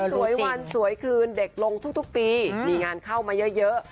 สวยวันสวยคืนเด็กลงทุกปีมีงานเข้ามาเยอะ